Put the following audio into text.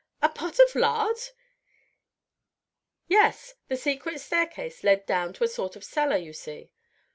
"A pot of lard!" "Yes. The secret staircase led down to a sort of cellar, you see."